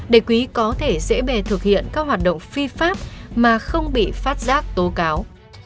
để quý có thể dễ bề thực hiện các hoạt động phi pháp mà không bị phát giác tố cáo